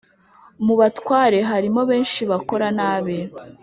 mubatware harimo benshi bakora nabi.